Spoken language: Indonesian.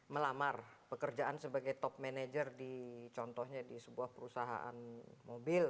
melamar pekerjaan sebagai top manager di contohnya di sebuah perusahaan mobil